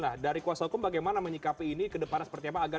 nah dari kuasa hukum bagaimana menyikapi ini ke depannya seperti apa